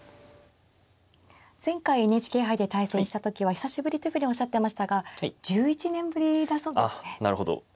前回ＮＨＫ杯で対戦した時は久しぶりというふうにおっしゃってましたが１１年ぶりだそうですね。